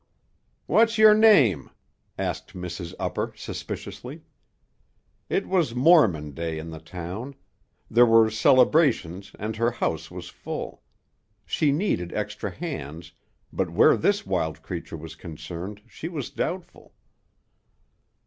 "What's yer name?" asked Mrs. Upper suspiciously. It was Mormon Day in the town; there were celebrations and her house was full; she needed extra hands, but where this wild creature was concerned she was doubtful.